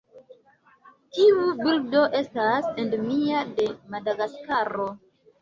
Tiu birdo estas endemia de Madagaskaro.